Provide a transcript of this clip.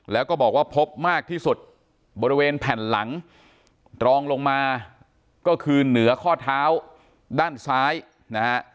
แล้วก็บอกว่าพบมากที่สุดบริเวณแผ่นหลังรองลงมาก็คือเหนือข้อเท้าด้านซ้ายนะฮะ